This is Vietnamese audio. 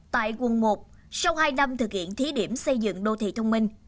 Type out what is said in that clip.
tại quận một sau hai năm thực hiện thí điểm xây dựng đô thị thông minh